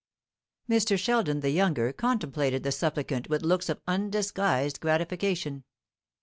Mr. Sheldon the younger contemplated the supplicant with looks of undisguised gratification.